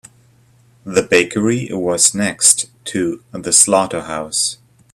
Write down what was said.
The bakery was next to the slaughterhouse.